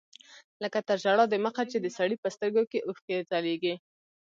لکه تر ژړا د مخه چې د سړي په سترګو کښې اوښکې ځلېږي.